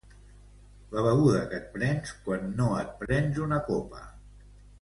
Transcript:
La beguda que et prens quan no et prens una copa.